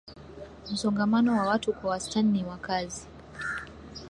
Msongamano wa watu kwa wastani ni wakazi